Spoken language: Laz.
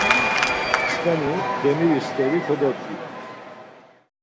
Ntsxeni demiri steri kododgitu.